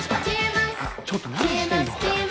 ちょっと何してんの。